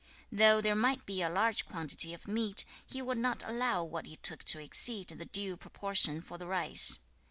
Though there might be a large quantity of meat, he would not allow what he took to exceed the due proportion for the rice.